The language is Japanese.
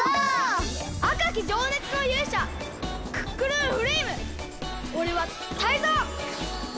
あかきじょうねつのゆうしゃクックルンフレイムおれはタイゾウ！